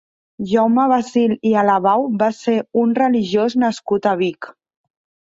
Jaume Basil i Alabau va ser un religiós nascut a Vic.